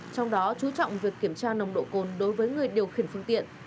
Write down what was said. trong đó chú trọng việc kiểm tra nồng độ cồn đối với người điều khiển phương tiện